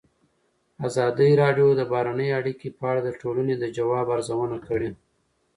ازادي راډیو د بهرنۍ اړیکې په اړه د ټولنې د ځواب ارزونه کړې.